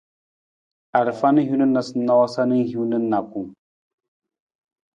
Arafa na hin noosanoosa na hiwung na nijakung.